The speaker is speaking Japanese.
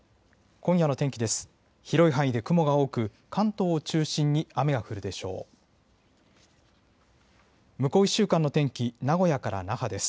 今夜の天気です。